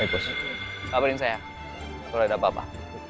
baik bos kabarin saya soalnya ada papa